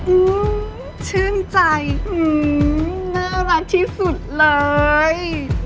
อื้อชื่นใจอื้อน่ารักที่สุดเลย